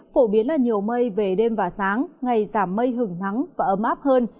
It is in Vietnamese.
phổ biến là nhiều mây về đêm và sáng ngày giảm mây hứng nắng và ấm áp hơn